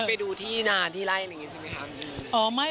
ไปดูที่นานที่ไล่อะไรอย่างนี้ใช่ไหมครับ